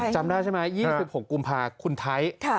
จำได้ใช่ไหม๒๖กุมภาคคุณไทย